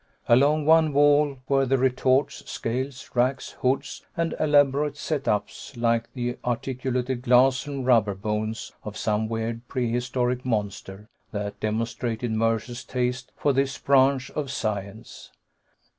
Along one wall were the retorts, scales, racks, hoods and elaborate set ups, like the articulated glass and rubber bones of some weird prehistoric monster, that demonstrated Mercer's taste for this branch of science.